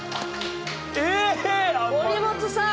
森本さん！